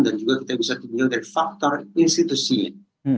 dan juga kita bisa tinjau dari faktor institusinya